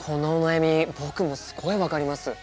僕もすごい分かります！